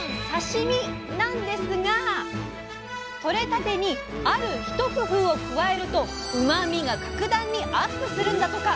なんですが取れたてにある一工夫を加えるとうまみが格段にアップするんだとか。